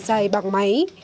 giải dài bằng máy